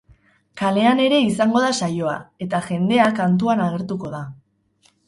Kalean ere izango da saioa, eta jendea kantuan agertuko da.